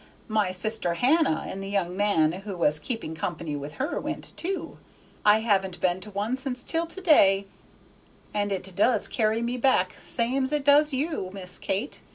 My sister Hannah and the young man who was keeping company with her went too. I haven't been to one since till to day, and it does carry me back same's it does you, Miss Kate.